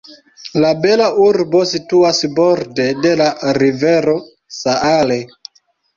La bela urbo situas borde de la rivero Saale.